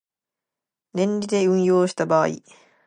年利で運用した場合